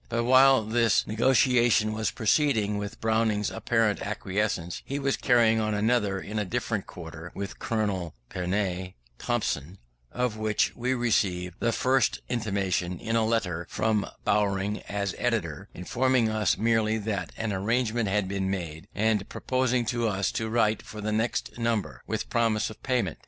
But while this negotiation was proceeding with Bowring's apparent acquiescence, he was carrying on another in a different quarter (with Colonel Perronet Thompson), of which we received the first intimation in a letter from Bowring as editor, informing us merely that an arrangement had been made, and proposing to us to write for the next number, with promise of payment.